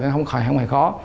thì không hề khó